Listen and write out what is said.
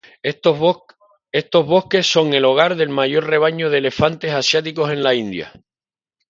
Estos bosques son el hogar del mayor rebaño de elefantes asiáticos en la India.